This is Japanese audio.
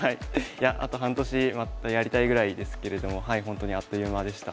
いやあと半年またやりたいぐらいですけれどもほんとにあっという間でした。